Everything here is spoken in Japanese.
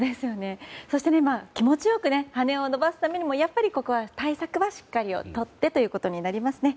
そして今、気持ち良く羽を伸ばすためにもやっぱりここは対策はしっかりとってということになりますね。